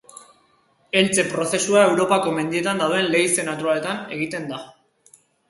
Heltze prozesua Europako Mendietan dauden leize naturaletan egiten da.